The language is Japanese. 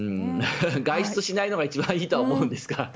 外出しないのが一番いいとは思うんですが。